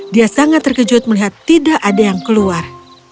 dia sangat terkejut melihat tidak ada yang keluar